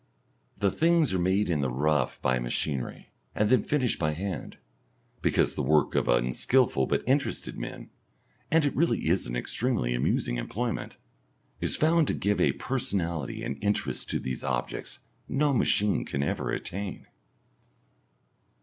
The things are made in the rough by machinery, and then finished by hand, because the work of unskilful but interested men and it really is an extremely amusing employment is found to give a personality and interest to these objects no machine can ever attain.